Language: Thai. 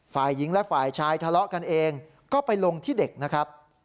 ฝ่ายหญิงและฝ่ายชายทะเลาะกันเองก็ไปลงที่เด็กนะครับ